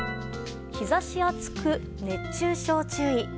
日差し暑く、熱中症注意。